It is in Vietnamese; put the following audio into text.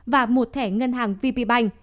và một thẻ ngân hàng vp bank